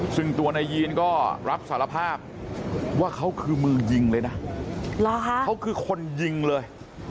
ซึ่งตัวนายยีนก็รับสารภาพว่าเขาคือมือยิงเลยนะเขาคือคนยิงเลย